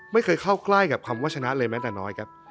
ไม่เคยเข้าใกล้กับคำว่าชนะเลยแม้แต่น้อยครับ